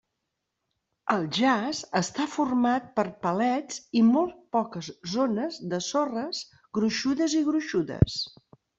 El jaç està format per palets i molt poques zones de sorres gruixudes i gruixudes.